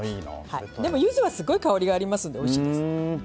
ゆずはすごい香りがありますのでおいしいです。